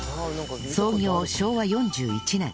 創業昭和４１年